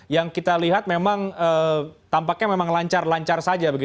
yang kita lihat memang tampaknya memang lancar lancar saja